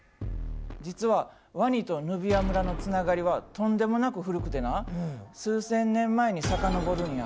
実はワニとヌビア村のつながりはとんでもなく古くてな数千年前に遡るんや。